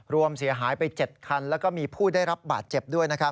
รวมเสียหายไป๗คันแล้วก็มีผู้ได้รับบาดเจ็บด้วยนะครับ